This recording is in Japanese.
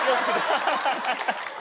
ハハハハ！